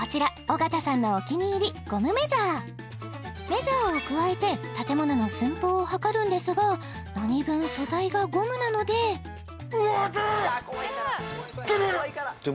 尾形さんのお気に入りメジャーをくわえて建物の寸法を測るんですがなにぶん素材がゴムなので待って！